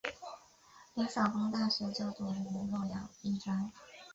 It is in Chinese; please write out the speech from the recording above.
李晓峰大学就读于洛阳医专。